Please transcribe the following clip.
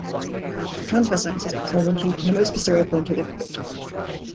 The transverse sinuses pass horizontally from the most posterior point of the occiput.